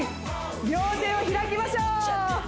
両手を開きましょう！